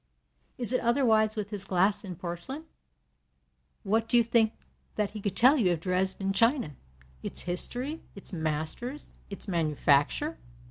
Is it otherwise with his glass and porcelain? What do you think that he could tell you of Dresden china its history, its masters, its manufacture?